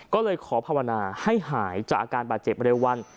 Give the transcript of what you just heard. ก็เลยขอภาวนาให้หายจากอาการบาดเจ็บเร็ววัน